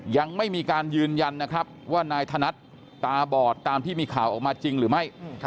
ยังไม่มีการยืนยันนะครับว่านายธนัดตาบอดตามที่มีข่าวออกมาจริงหรือไม่